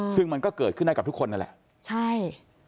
ซึ่งมันก็เกิดขึ้นได้กับทุกคนนั่นแหละใช่